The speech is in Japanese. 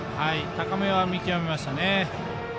高めは見極めましたね。